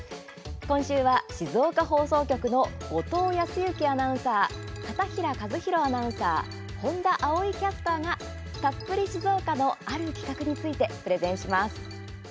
今週は静岡放送局の後藤康之アナウンサー片平和宏アナウンサー本多葵キャスターが「たっぷり静岡」のある企画についてプレゼンします。